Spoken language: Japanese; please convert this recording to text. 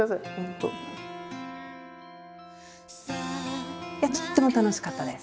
とっても楽しかったです。